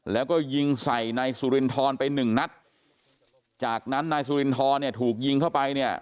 แล้วก็ยิงใส่นายสุรินทรไปหนึ่งนัดจากนั้นนายสุรินทรเนี่ยถูกยิงเข้าไปเนี่ย